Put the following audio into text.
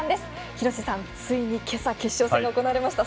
廣瀬さん、ついに今朝決勝戦が行われました。